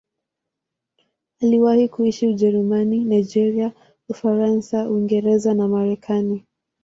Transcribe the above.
Aliwahi kuishi Ujerumani, Nigeria, Ufaransa, Uingereza na Marekani.